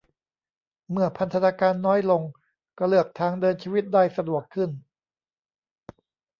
เมื่อพันธนาการน้อยลง ก็เลือกทางเดินชีวิตได้สะดวกขึ้น